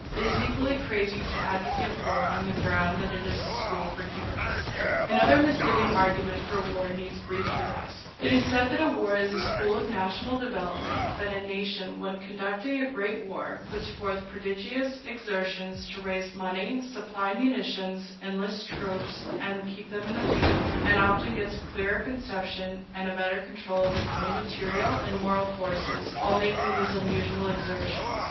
It is equally crazy to advocate war on the ground that it is a school for heroes. Another misleading argument for war needs brief notice. It is said that war is a school of national development—that a nation, when conducting a great war, puts forth prodigious exertions to raise money, supply munitions, enlist troops, and keep them in the field, and often gets a clearer conception and a better control of its own material and moral forces while making these unusual exertions.